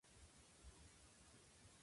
これは面白い